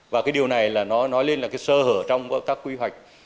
và cái điều này nó nói lên là cái sơ hở trong các quy hoạch